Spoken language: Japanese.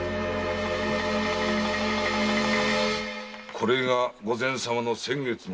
これがご前様の先月分。